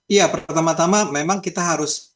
iya pertama tama memang kita harus